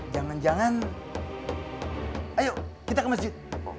jangan jangan ayo kita ke masjid